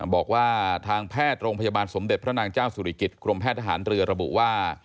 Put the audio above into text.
บอกว่าทางแพทย์โรงพยาบาลสมเด็จพระนางเจ้าสุริกิจกรมแพทย์ทหารเรือระบุว่า